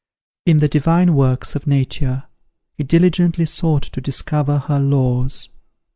In the divine works of Nature, he diligently sought to discover her laws.